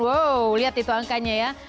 wow lihat itu angkanya ya